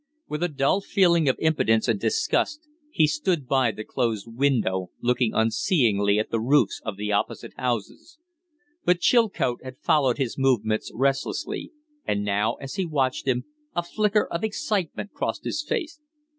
With a dull feeling of impotence and disgust he stood by the closed window, looking unseeingly at the roofs of the opposite houses. But Chilcote had followed his movements restlessly; and now, as he watched him, a flicker of excitement crossed his face.